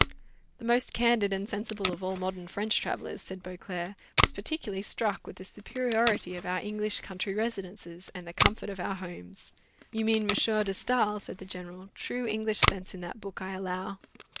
"The most candid and sensible of all modern French travellers," said Beauclerc, "was particularly struck with the superiority of our English country residences, and the comfort of our homes." "You mean M. de Staël?" said the general; "true English sense in that book, I allow."